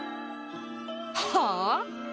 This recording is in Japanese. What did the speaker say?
はあ？